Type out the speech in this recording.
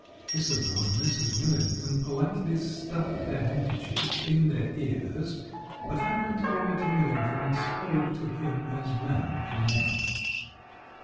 Isobel and Mrs. Millington politely stuffed their handkerchiefs in their ears, but I went over to Millington and spoke to him as man to man.